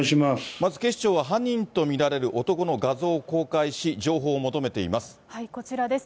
まず警視庁は、犯人と見られる男の画像を公開し、情報を求めこちらです。